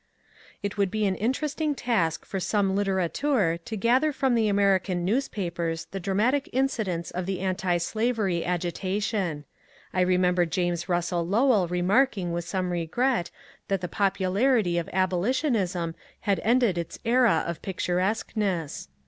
It would be an interesting task for some litterateur to gather from the American newspapers the dramatic incidents of the antislavery agitation. I remember James Russell Lowell remarking with some regret that the popularity of abolitionism had ended its era of picturesqueness.